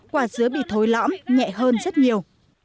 quả dứa bị thối lõm nhẹ hơn rất nhiều